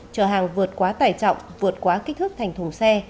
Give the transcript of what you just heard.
chở hàng vượt quá tải trọng vượt quá kích thước thành thùng xe